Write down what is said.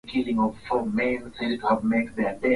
ikiendelea kuweka ngumu kufanya mazungumzo na serikali